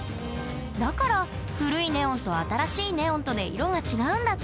だから古いネオンと新しいネオンとで色が違うんだって！